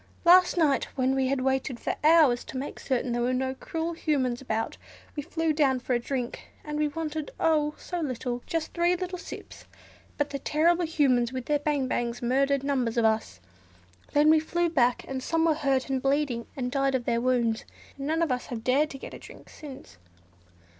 Last night, when we had waited for hours, to make certain there were no cruel Humans about, we flew down for a drink—and we wanted, oh! so little, just three little sips; but the terrible Humans, with their 'bang bangs,' murdered numbers of us. Then we flew back, and some were hurt and bleeding, and died of their wounds, and none of us have dared to get a drink since."